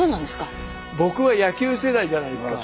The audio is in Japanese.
僕は野球世代じゃないですか。